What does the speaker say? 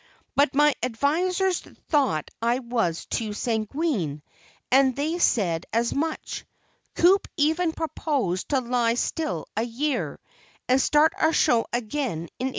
But my advisers thought I was too sanguine, and they said as much. Coup even proposed to lie still a year, and start our show again in 1874.